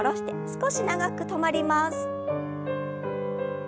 少し長く止まります。